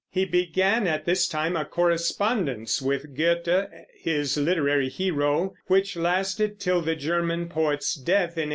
He began at this time a correspondence with Goethe, his literary hero, which lasted till the German poet's death in 1832.